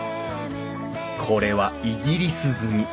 これはイギリス積み。